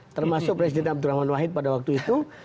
termasuk presiden abdurrahman wahid pada waktu itu